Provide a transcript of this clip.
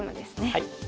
はい。